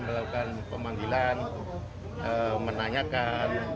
melakukan pemanggilan menanyakan